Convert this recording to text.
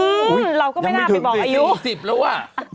อุ๊ยยังไม่ถึง๔๐๕๐แล้วอะ